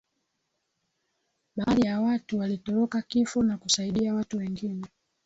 baadhi ya watu walitoroka kifo na kusaidia watu wengine